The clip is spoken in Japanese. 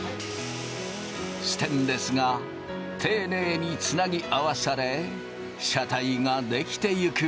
ステンレスが丁寧につなぎ合わされ車体が出来ていく。